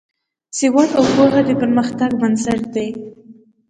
سواد او پوهه د پرمختګ بنسټ دی.